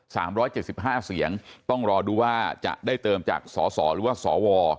สามร้อยเจ็ดสิบห้าเสียงต้องรอดูว่าจะได้เติมจากสอสอหรือว่าสว